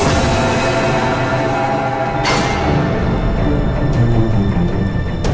kamu bisa jadiin keras